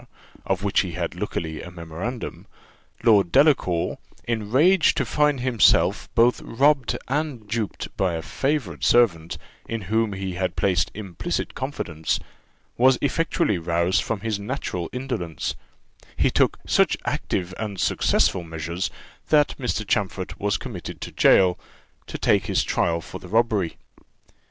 of which he had luckily a memorandum, Lord Delacour, enraged to find himself both robbed and duped by a favourite servant, in whom he had placed implicit confidence, was effectually roused from his natural indolence: he took such active and successful measures, that Mr. Champfort was committed to gaol, to take his trial for the robbery.